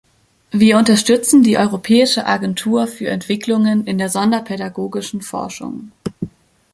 Wir unterstützen die Europäische Agentur für Entwicklungen in der Sonderpädagogischen Forschung.